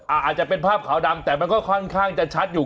อาจจะเป็นภาพขาวดำแต่มันก็ค่อนข้างจะชัดอยู่